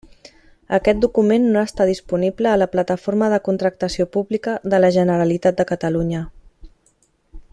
Aquest document no està disponible a la Plataforma de Contractació Pública de la Generalitat de Catalunya.